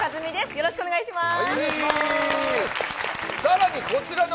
よろしくお願いします。